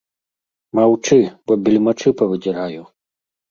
Маўчы, бо бельмачы павыдзіраю!!